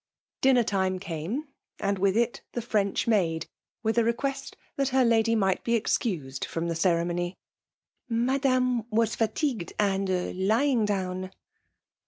Bianer time came, and with it the Frendk maad» with a request that her lady might be CDBoued fiom Ae ceremony. ''Madame was fatagwed, and lying down.